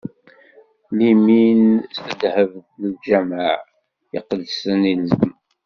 Limin s ddheb n lǧameɛ iqedsen ilzem.